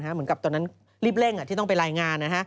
เหมือนกับตอนนั้นรีบเร่งที่ต้องไปรายงาน